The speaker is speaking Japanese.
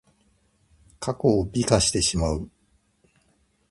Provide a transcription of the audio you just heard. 過去を美化してしまう。